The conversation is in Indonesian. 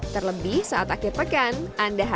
terlebih saat akhir pekan bisa haha